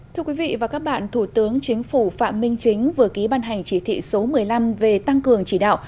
thưa quý vị và các bạn thủ tướng chính phủ phạm minh chính vừa ký ban hành chỉ thị số một mươi năm về tăng cường chỉ đạo